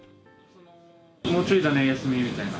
もうちょいだね、休みみたいな。